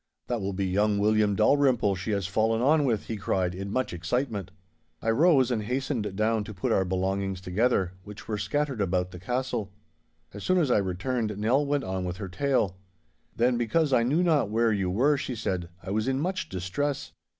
'That will be young William Dalrymple she has fallen on with,' he cried, in much excitement. I rose, and hastened down to put our belongings together, which were scattered about the castle. As soon as I returned Nell went on with her tale. 'Then because I knew not where you were,' she said, 'I was in much distress.